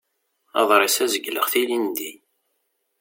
Aḍris-a zegleɣ-t ilindi.